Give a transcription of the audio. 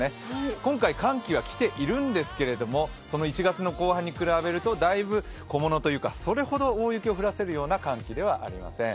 今回、寒気は来ているんですけれども、１月の後半に比べるとだいぶ小者というか、それほど大雪を降らせる感じではありません。